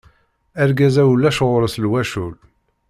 Argaz-a ulac ɣur-s lwacul.